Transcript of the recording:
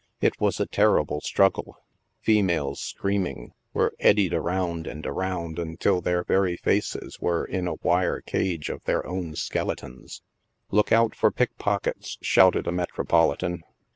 It was a terrible struggle — females screaming, were eddied around and around until their very faces were in a wire cage of their own " skeletons." "Look out for pickpockets," shouted a Metropolitan.